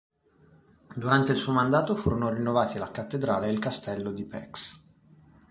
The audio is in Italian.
Durante il suo mandato furono rinnovati la cattedrale e il castello di Pécs.